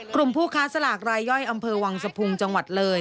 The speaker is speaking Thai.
ผู้ค้าสลากรายย่อยอำเภอวังสะพุงจังหวัดเลย